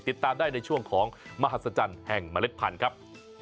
ติดตามได้ในช่วงของมหัศจรรย์แห่งเมล็ดพันธุ์ครับ